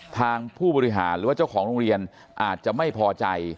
ทางผู้บริหารหรือว่าเจ้าของโรงเรียนอาจจะไม่พอใจ